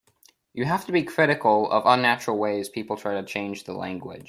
You have to be critical of unnatural ways people try to change the language.